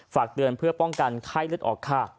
ฝากเตือนเพื่อป้องกันไข้เลือดออกค่ะ